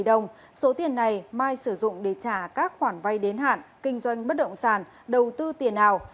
tổng số tiền này mai sử dụng để trả các khoản vai đến hạn kinh doanh bất động sản đầu tư tiền ảo